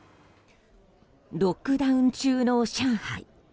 ロックダウン中の上海。